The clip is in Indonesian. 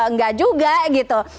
nggak juga gitu